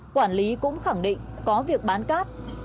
quản lý cũng khẳng định có việc bán cát